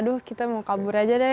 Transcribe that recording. aduh kita mau kabur aja deh